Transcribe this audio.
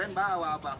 masalah kpk pak